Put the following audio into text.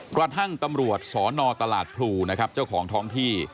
กระทั่งตำรวจสนตลาดพลูนะครับเจ้าของท้องที่